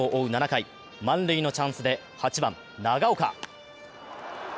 ７回、満塁のチャンスで８番・長岡。